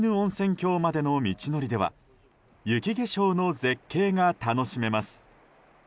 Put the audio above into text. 郷までの道のりでは雪化粧の絶景が楽しめます。